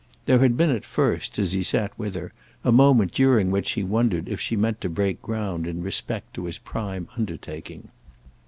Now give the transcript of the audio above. There had been at first, as he sat there with her, a moment during which he wondered if she meant to break ground in respect to his prime undertaking.